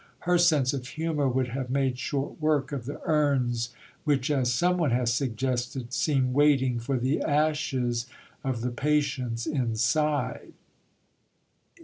Her sense of humour would have made short work of the urns which, as some one has suggested, seem waiting for the ashes of the patients inside.